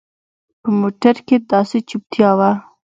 په موټر کښې داسې چوپتيا وه.